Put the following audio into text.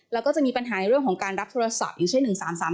แล้วก็จะมีปัญหาในเรื่องของการรับโทรศัพท์อยู่เช่น๑๓๓